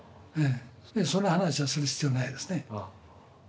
その話はする必要ないですね。